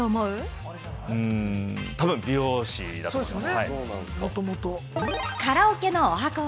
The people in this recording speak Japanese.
たぶん美容師だと思います。